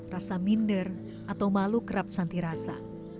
rasa minder atau malu kerap santi rasa